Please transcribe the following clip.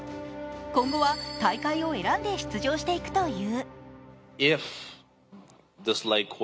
今後は大会を選んで出場していくという。